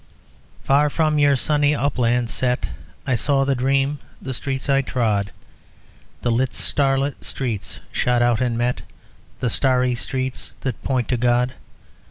_ _Far from your sunny uplands set I saw the dream; the streets I trod The lit straight streets shot out and met The starry streets that point to God.